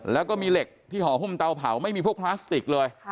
แล้วก็มีเหล็กที่ห่อหุ้มเตาเผาไม่มีพวกพลาสติกเลย